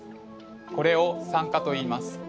これを酸化といいます。